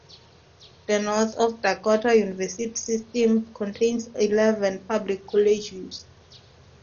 The North Dakota University System contains eleven public colleges.